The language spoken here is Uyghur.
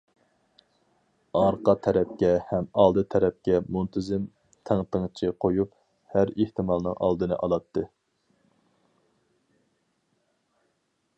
ئارقا تەرەپكە ھەم ئالدى تەرەپكە مۇنتىزىم تىڭتىڭچى قويۇپ ھەر ئېھتىمالنىڭ ئالدىنى ئالاتتى.